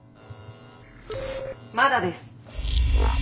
「まだです」。